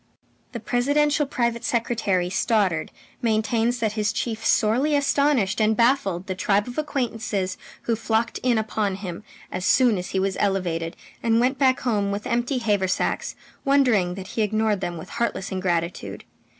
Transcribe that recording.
The presidential private secretary, Stoddard, maintains that his chief sorely astonished and baffled the tribe of acquaintances who flocked in upon him as soon as he was elevated and went back home, with empty haversacks, wondering that he ignored them with heartless ingratitude.